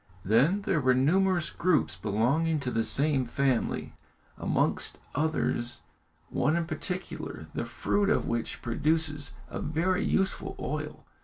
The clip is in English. Then there were numerous groups belonging to the same family, amongst others one in particular, the fruit of which produces a very useful oil.